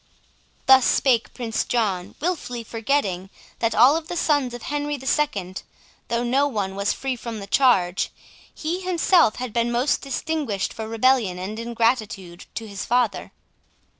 Thus spake Prince John, wilfully forgetting, that of all the sons of Henry the Second, though no one was free from the charge, he himself had been most distinguished for rebellion and ingratitude to his father.